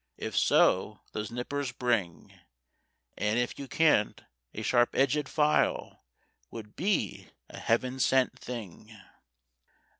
If so, those nippers bring; And if you can't, a sharp edged file Would be a heaven sent thing.